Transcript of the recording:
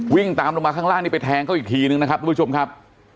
วิ่งตามลงมาข้างล่างนี่ไปแทงเขาอีกทีนึงนะครับทุกผู้ชมครับ